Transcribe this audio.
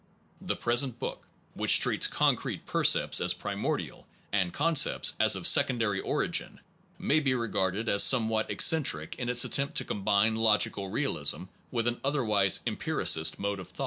The present book, which treats concrete percepts as pri mordial and concepts as of secondary origin, may be regarded as somewhat eccentric in its attempt to combine logical realism with an otherwise empiricist mode of thought.